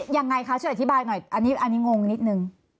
ยังไงคะช่วยอธิบายหน่อยอันนี้งงนิดนึง